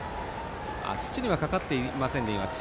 土にはかかっていませんでした